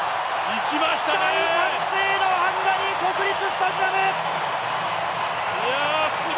大歓声のハンガリー国立スタジアム！